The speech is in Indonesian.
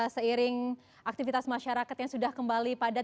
seiring aktivitas masyarakat yang sudah kembali padat